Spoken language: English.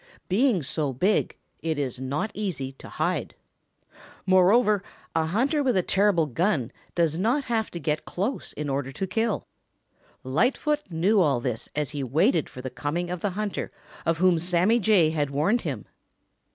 Being so big, it is not easy to hide. Moreover, a hunter with a terrible gun does not have to get close in order to kill. Lightfoot knew all this as he waited for the coming of the hunter of whom Sammy Jay had warned him.